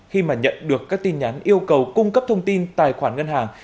khi mà nhận được các tin nhắn yêu cầu cung cấp thông tin tài khoản ngân hàng